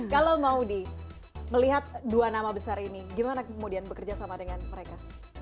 kalau mau di melihat dua nama besar ini gimana kemudian bekerja sama dengan mereka